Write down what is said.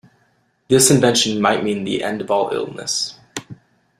This invention might mean the end of all illness.